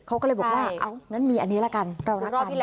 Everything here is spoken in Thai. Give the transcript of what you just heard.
เขาก็เลยบอกว่าเอางั้นมีอันนี้ละกันเรารักกัน